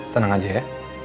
tenang aja ya